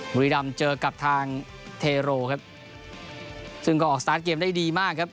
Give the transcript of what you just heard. บุรีรำเจอกับทางเทโรครับซึ่งก็ออกสตาร์ทเกมได้ดีมากครับ